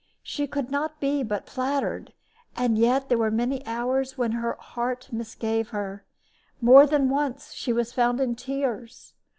She could not but be flattered, and yet there were many hours when her heart misgave her. More than once she was found in tears.